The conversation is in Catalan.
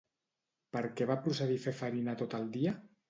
Per què va procedir a fer farina tot el dia?